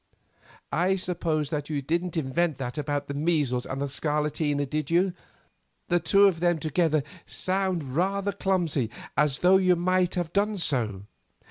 I suppose that you didn't invent that about the measles and the scarlatina, did you? The two of them together sound rather clumsy, as though you might have done so."